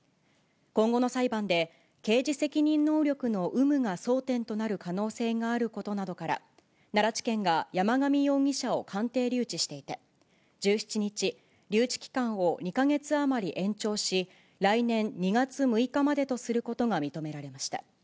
今後の裁判で、刑事責任能力の有無が争点となる可能性があることなどから、奈良地検が山上容疑者を鑑定留置していて、１７日、留置期間を２か月余り延長し、来年２月６日までとすることが認められました。